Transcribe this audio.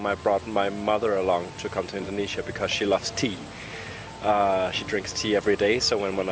mereka minum teh setiap hari jadi ketika saya masih kecil kami selalu minum teh